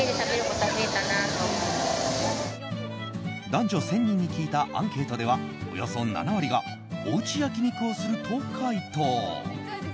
男女１０００人に聞いたアンケートではおよそ７割がおうち焼き肉をすると回答。